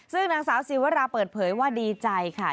ซึ่งนางสาวศิวราเปิดเผยว่าดีใจค่ะ